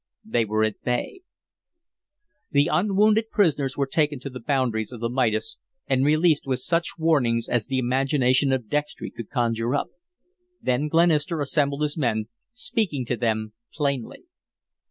They were at bay. The unwounded prisoners were taken to the boundaries of the Midas and released with such warnings as the imagination of Dextry could conjure up; then Glenister assembled his men, speaking to them plainly.